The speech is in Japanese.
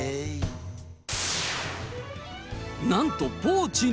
なんとポーチに。